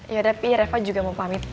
yaudah pi reva juga mau pamit